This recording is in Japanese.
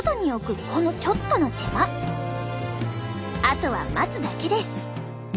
あとは待つだけです。